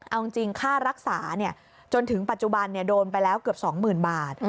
เอาจริงค่ารักษาจนถึงปัจจุบันโดนไปแล้วเกือบ๒๐๐๐บาท